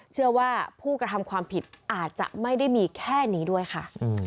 เชื่อว่าผู้กระทำความผิดอาจจะไม่ได้มีแค่นี้ด้วยค่ะ